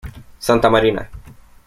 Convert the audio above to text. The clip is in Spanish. Santa Marina.